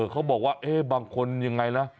เขาบอกว่าบางคนยังไงนะ